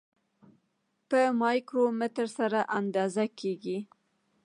په مایکرومتر سره اندازه کیږي.